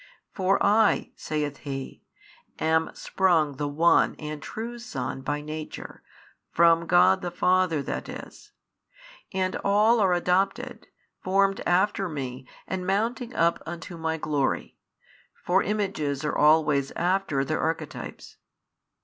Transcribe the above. For I (saith He) am sprung the One and True Son by Nature, from God the Father that is; and all are adopted, formed after Me and mounting up unto My Glory, for images are always after their archetypes.